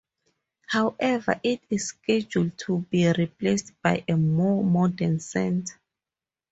However, it is scheduled to be replaced by a more modern center.